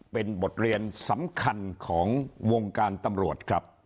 เป็นบทเรียนสำคัญของวงการตำรวจครับ